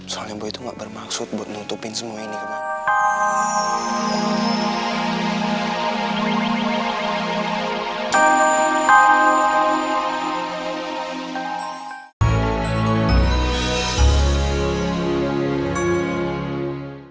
soalnya bu itu gak bermaksud buat nutupin semua ini kemana